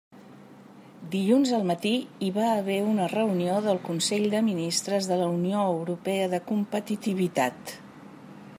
Dilluns al matí hi va haver una reunió del Consell de Ministres de la Unió Europea de Competitivitat.